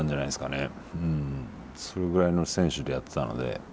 それぐらいの選手でやってたので。